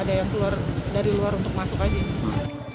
ada yang keluar dari luar untuk masuk aja sih